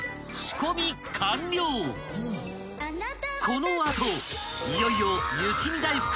［この後いよいよ］